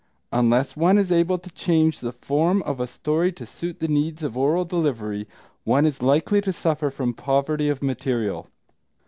Unless one is able to change the form of a story to suit the needs of oral delivery, one is likely to suffer from poverty of material.